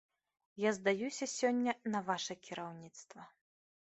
Я здаюся сёння на ваша кіраўніцтва.